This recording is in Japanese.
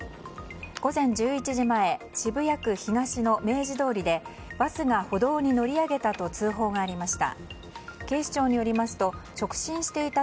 午前１１時前渋谷区東の明治通りでバスが歩道に乗り上げたと通報がありました。